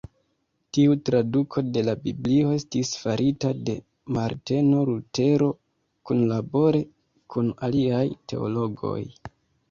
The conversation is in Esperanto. Tiu traduko de la Biblio estis farita de Marteno Lutero kunlabore kun aliaj teologoj.